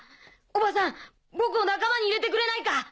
おばさん僕を仲間に入れてくれないか？